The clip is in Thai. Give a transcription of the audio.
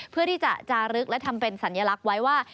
เพื่อที่จะจารึกและทำเป็นสัญลักษณ์ไว้ว่า